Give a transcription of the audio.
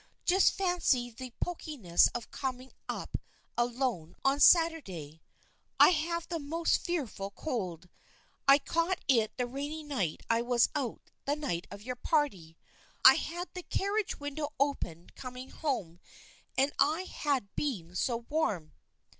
Just fancy the poki ness of coming up alone on Saturday. I have the most fearful cold. I caught it the rainy night I was out, the night of your party. I had the car riage window open coming home and I had been so warm."